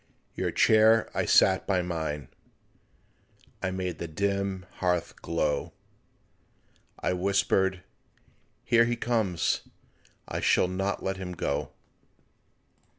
Your chair I set by mine, I made the dim hearth glow, I whispered, "When he comes I shall not let him go."